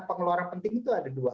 pengeluaran penting itu ada dua